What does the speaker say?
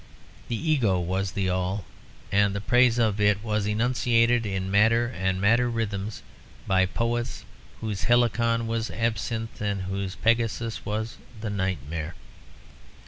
The ego was the all; and the praise of it was enunciated in madder and madder rhythms by poets whose Helicon was absinthe and whose Pegasus was the nightmare.